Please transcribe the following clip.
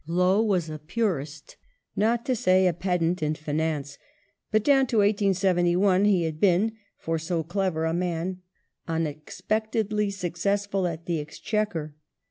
Lowe was a purist, not to say a pedant, in finance, but down to 1871 he had been, for so clever a man, unexpectedly successful at the Exchequer.